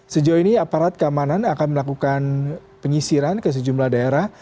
sejauh ini aparat keamanan akan melakukan penyisiran ke sejumlah daerah